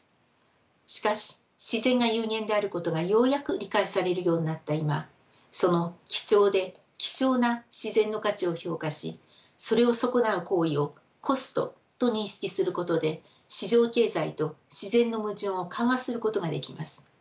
しかし自然が有限であることがようやく理解されるようになった今その貴重で希少な自然の価値を評価しそれを損なう行為をコストと認識することで市場経済と自然の矛盾を緩和することができます。